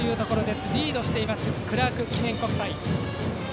リードしているクラーク記念国際。